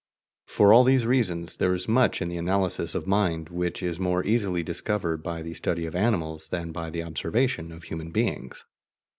For all these reasons, there is much in the analysis of mind which is more easily discovered by the study of animals than by the observation of human beings.